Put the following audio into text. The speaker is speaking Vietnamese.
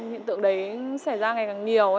hiện tượng đấy xảy ra ngày càng nhiều